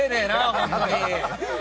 本当に。